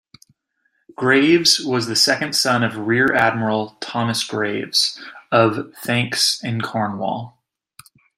Graves was the second son of Rear-Admiral Thomas Graves of Thanckes in Cornwall.